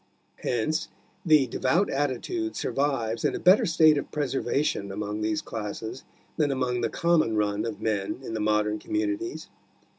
Hence the devout attitude survives in a better state of preservation among these classes than among the common run of men in the modern communities.